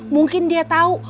mungkin dia tau